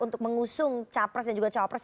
untuk mengusung capres dan juga cawapres